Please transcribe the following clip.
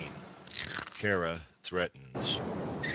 KĀRA THREATENS.